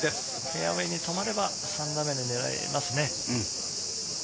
フェアウエーに止まれば、３打目で狙えますね。